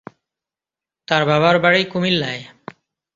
তার বাবার বাড়ি কুমিল্লায়।